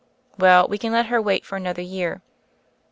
"Well, we can let her wait for another year."